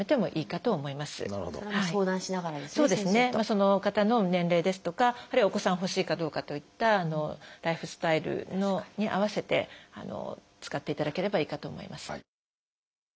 その方の年齢ですとかあるいはお子さん欲しいかどうかといったライフスタイルに合わせて使っていただければいいかと思います。